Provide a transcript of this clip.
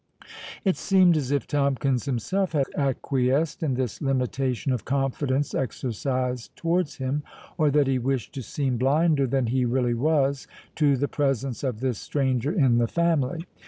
It seemed as if Tomkins himself had acquiesced in this limitation of confidence exercised towards him, or that he wished to seem blinder than he really was to the presence of this stranger in the family.